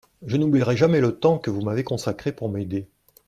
Je n’oublierai jamais le temps que vous m’avez consacré pour m’aider.